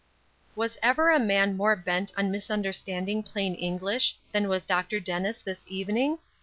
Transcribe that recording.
Was ever a man more bent on misunderstanding plain English than was Dr. Dennis this evening?